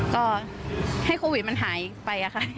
ก็ให้โควิดมันหายไปค่ะ